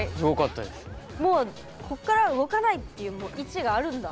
もう、ここから動かないっていう位置があるんだ。